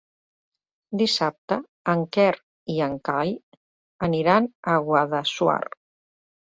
Dissabte en Quer i en Cai aniran a Guadassuar.